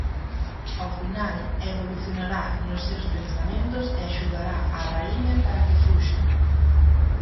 Ao final, evolucionará nos seus pensamentos e axudará á raíña para que fuxa.